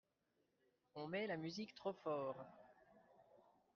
On met la musique trop fort.